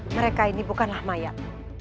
mereka ini bukanlah mayat